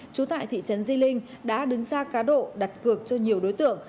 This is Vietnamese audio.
chú tại thị trấn di linh đã đứng xa cá độ đặt cược cho nhiều đối tượng